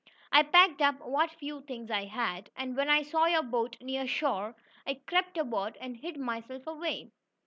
"I packed up what few things I had, and when I saw your boat near shore, I crept aboard and hid myself away.